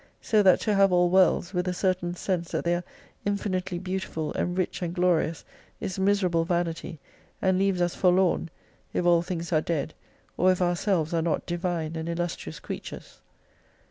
So that to have all worlds.with a certain sense that they are infinitely beautiful and rich and glorious is miserable vanity, and leaves us forlorn, if all things are dead, or if ourselves are not Divine and illustrious creatures.